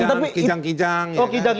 kijang kijang oh kijang kijang